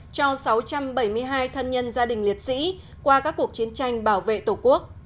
cho sáu trăm bảy mươi hai thân nhân gia đình liệt sĩ qua các cuộc chiến tranh bảo vệ tổ quốc